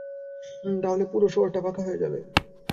তাহলে শহরটা পুরো ফাঁকা হয়ে যাবে।